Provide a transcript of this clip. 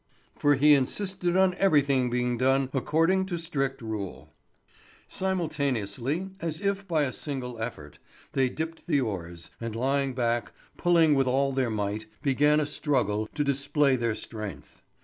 For he insisted on everything being done according to strict rule. Simultaneously, as if by a single effort, they dipped the oars, and lying back, pulling with all their might, began a struggle to display their strength.